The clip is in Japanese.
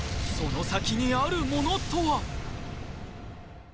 そのさきにあるものとは！？